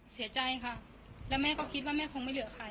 เสียใจค่ะแล้วแม่ก็คิดว่าแม่คงไม่เหลือใคร